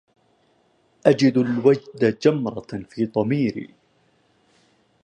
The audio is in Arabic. أجد الوجد جمرة في ضميري